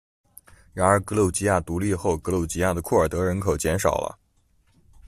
然而格鲁吉亚独立后，格鲁吉亚的库尔德人口减少了。